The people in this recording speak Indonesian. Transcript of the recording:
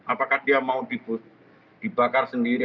apakah dia mau dibakar sendiri